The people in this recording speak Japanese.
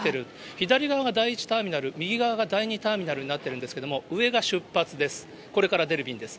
左側が第１ターミナル、右側が第２ターミナルになっているんですけれども、上が出発便です、これから出る便です。